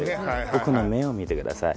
僕の目を見てください。